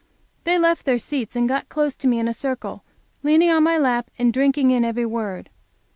They left their seats and got close to me in a circle, leaning on my lap and drinking in every word.